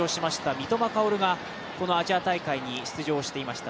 三笘薫が、このアジア大会に出場していました。